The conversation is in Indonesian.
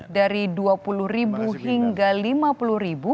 dari rp dua puluh hingga rp lima puluh